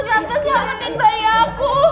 tante silahkan bawa bayi aku